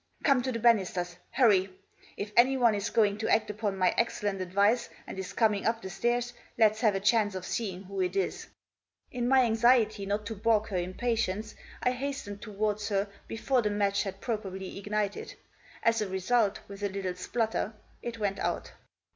* Come to the banisters, hurry ! If anyone is going to act upon my excellent advice, and is coming up the staits, let's have a chance of seeing who it is." In my anxiety not to baulk her impatience I hastened towards her before the match had properly ignited ; as a result, with a little splutter, it went out.